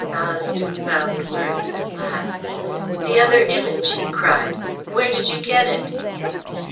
Ballaston found words at last. "The other Image!" he cried. "Where did you get it?"